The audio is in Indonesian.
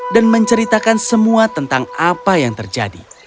dan menceritakan semua tentang apa yang terjadi